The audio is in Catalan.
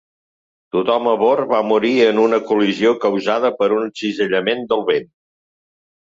Tothom a abord va morir en una col·lisió causada per un cisallament del vent.